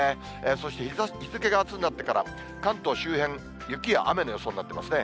そして日付があすになってから、関東周辺、雪や雨の予想になっていますね。